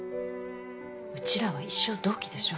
うちらは一生同期でしょ。